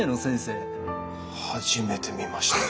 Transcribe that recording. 初めて見ました。